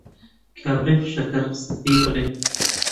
کابرای فشەکەر قسەکەی بڕی